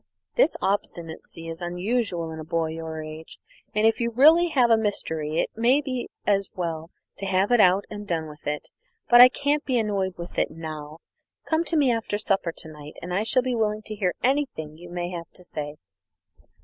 This obstinacy is unusual in a boy of your age, and if you really have a mystery it may be as well to have it out and have done with it. But I can't be annoyed with it now. Come to me after supper to night, and I shall be willing to hear anything you may have to say."